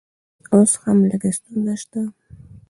اوس هم لږ ستونزه شته